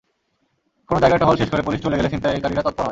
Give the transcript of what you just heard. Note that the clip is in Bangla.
কোনো জায়গায় টহল শেষ করে পুলিশ চলে গেলে ছিনতাইকারীরা তৎপর হয়।